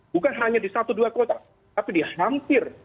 bukan hanya di satu dua kota tapi di hampir